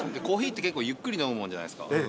コーヒーって結構ゆっくり飲むもんじゃないですか。